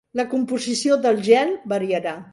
La composició del gel variarà.